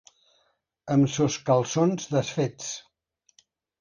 Amb sos calçons desfets.